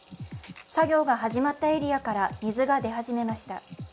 作業が始まったエリアから水が出始めました。